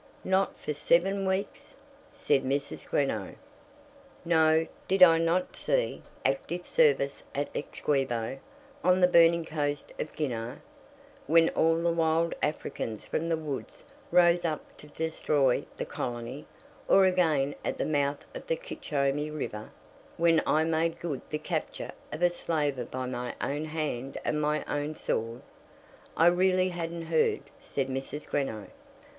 "Not for seven weeks?" said Mrs. Greenow. "No. Did I not see active service at Essiquebo, on the burning coast of Guiana, when all the wild Africans from the woods rose up to destroy the colony; or again at the mouth of the Kitchyhomy River, when I made good the capture of a slaver by my own hand and my own sword!" "I really hadn't heard," said Mrs. Greenow.